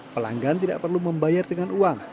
pelanggan tidak perlu membayar dengan uang